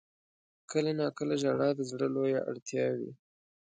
• کله ناکله ژړا د زړه لویه اړتیا وي.